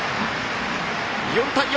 ４対４！